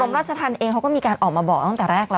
ราชธรรมเองเขาก็มีการออกมาบอกตั้งแต่แรกแล้ว